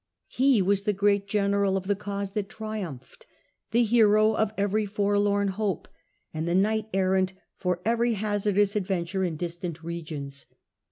He was the great general of the cause that triumphed, the hero of every forlorn hope, and the knight errant for every hazardous adventure in distant regions.